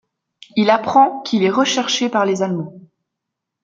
Il apprend qu’il est recherché par les Allemands.